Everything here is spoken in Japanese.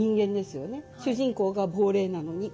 主人公が亡霊なのに。